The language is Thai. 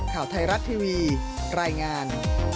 ข่าวไทยรัฐทีวีรายงาน